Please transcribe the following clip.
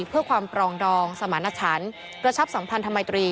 เพื่อความปรองดองสมรรถฉันประชับสังพันธ์ธรรมดิตรี